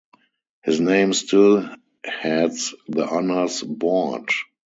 His name still heads the Honours Board.